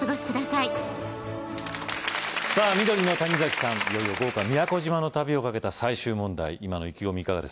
いよいよ豪華宮古島の旅をかけた最終問題今の意気込みいかがですか？